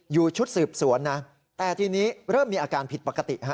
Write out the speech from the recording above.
ชุดสืบสวนนะแต่ทีนี้เริ่มมีอาการผิดปกติฮะ